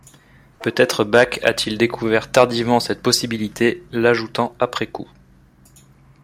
Peut-être Bach a-t-il découvert tardivement cette possibilité, l'ajoutant après coup.